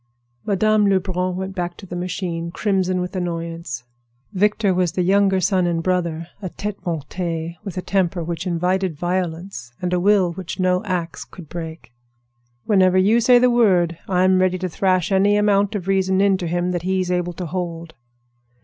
Madame Lebrun went back to the machine, crimson with annoyance. Victor was the younger son and brother—a tête montée, with a temper which invited violence and a will which no ax could break. "Whenever you say the word I'm ready to thrash any amount of reason into him that he's able to hold."